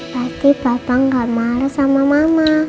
berarti bapak gak marah sama mama